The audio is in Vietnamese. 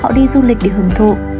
họ đi du lịch để hưởng thụ